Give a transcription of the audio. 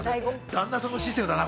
旦那さんのシステムだな。